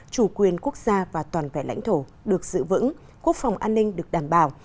chủ quyền quốc gia và toàn vẹn lãnh thổ được giữ vững quốc phòng an ninh được đảm bảo